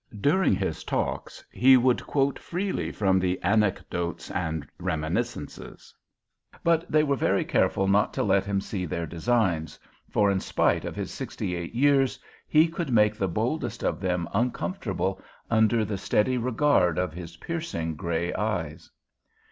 During his talks he would quote freely from the Anecdotes and Reminiscences. But they were very careful not to let him see their designs, for in spite of his sixty eight years he could make the boldest of them uncomfortable under the steady regard of his piercing gray eyes.